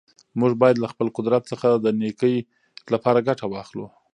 موږ باید له خپل قدرت څخه د نېکۍ لپاره ګټه واخلو.